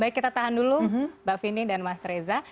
baik kita tahan dulu mbak vini dan mas reza